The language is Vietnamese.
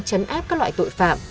chấn áp các loại tội phạm